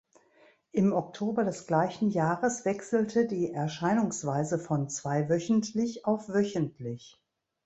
Im Oktober des gleichen Jahres wechselte die Erscheinungsweise von zweiwöchentlich auf wöchentlich.